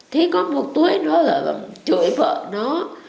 thế có một tuổi nữa rồi bà chửi vợ nó